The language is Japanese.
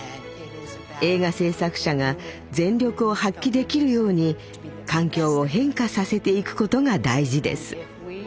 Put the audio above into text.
映画製作者が全力を発揮できるように環境を変化させていくことが大事です。